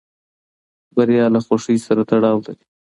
بریا له خوښۍ سره تړاو لري.